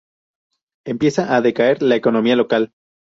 Empieza a decaer la economía local.